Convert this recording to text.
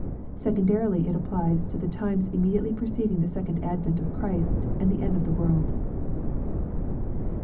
Secondarily it applies to the times immediately preceding the second advent of Christ and the end of the world.